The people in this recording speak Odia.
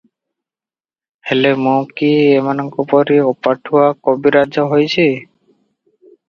ହେଲେ ମୁଁ କି ଏମାନଙ୍କପରି ଅପାଠୁଆ କବିରାଜ ହୋଇଛି?